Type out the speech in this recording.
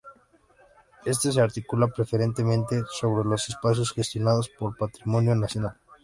Éste se articula preferentemente sobre los espacios gestionados por Patrimonio Nacional.